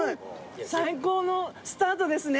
最高のスタートですね。